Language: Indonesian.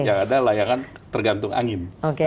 ya ada layangan tergantung angin